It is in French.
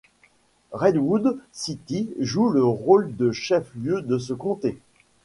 Redwood City joue le rôle de chef-lieu de ce comté.